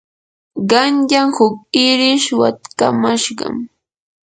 qanyan huk irish watkamashqam.